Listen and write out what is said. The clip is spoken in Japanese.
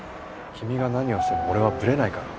君が何をしても俺はブレないから。